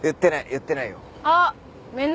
言ってないよ！